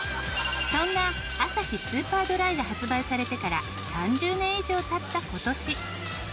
そんなアサヒスーパードライが発売されてから３０年以上経った今年。